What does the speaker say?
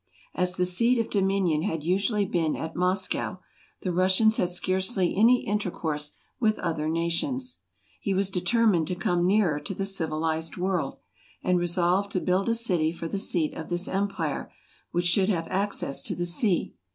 As the seat of dominion had usually been at Moscow, the Russians had scarcely any inter¬ course with other nations. He was determined to come nearer to the civilized world, and re¬ solved to build a city for the seat of this empire, which should have access to the sea.